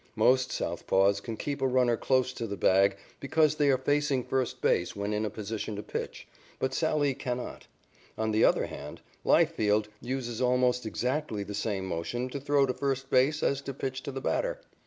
Most southpaws can keep a runner close to the bag because they are facing first base when in a position to pitch, but Sallee cannot. On the other hand, Leifield uses almost exactly the same motion to throw to first base as to pitch to the batter.